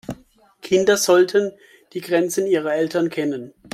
Kinder sollten die Grenzen ihrer Eltern kennen.